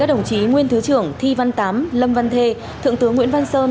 đồng chí nguyên thứ trưởng thi văn tám lâm văn thê thượng tướng nguyễn văn sơn